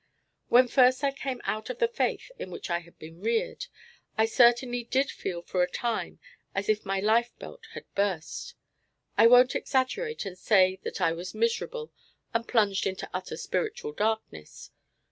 When first I came out of the faith in which I had been reared, I certainly did feel for a time as if my life belt had burst. I won't exaggerate and say that I was miserable and plunged in utter spiritual darkness.